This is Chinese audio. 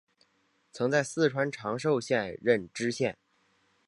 曾在四川长寿县任知县。